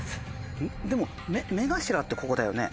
でも目頭ってここだよね？